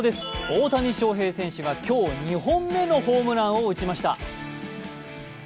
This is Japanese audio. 大谷翔平選手が今日、２本目のホームランを打ちました。